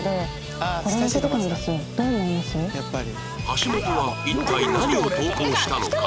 橋本は一体何を投稿したのか？